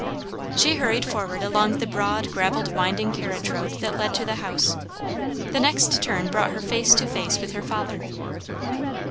She hurried forward along the broad, gravelled winding carriage road that led to the house. The next turn brought her face to face with her father.